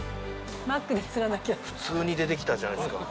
普通に出て来たじゃないですか。